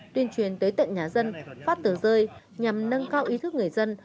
tuyên truyền tới tận nhà dân phát tờ rơi nhằm nâng cao ý thức người dân